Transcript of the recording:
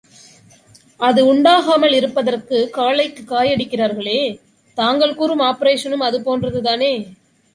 அது உண்டாகாமல் இருப்பதற்காகக் காளைக்குக் காயடிக்கிறார்களே, தாங்கள் கூறும் ஆப்பரேஷனும் அது போன்றதுதானே?